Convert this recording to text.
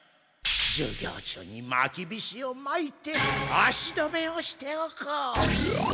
授業中にまきびしをまいて足止めをしておこう。